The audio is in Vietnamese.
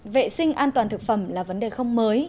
vệ sinh an toàn thực phẩm là vấn đề không mới